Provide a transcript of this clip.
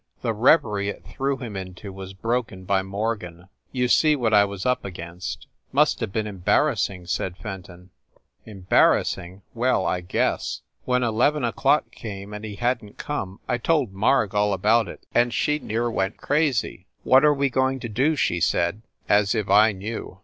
The reverie it threw him into was broken by Morgan. "You see what I was up against." "Must have been embarrassing," said Fenton. THE ST. PAUL BUILDING 227 "Embarrassing? Well, I guess! When eleven o clock came, and he hadn t come, I told Marg all about it, and she near went crazy. What are we go ing to do? she said as if I knew!